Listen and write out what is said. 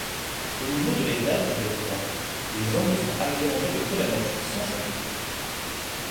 Au niveau de l'étage de beffroi, les angles sont agrémentés de colonnettes sans chapiteaux.